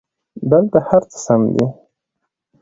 دلته هرڅه سم دي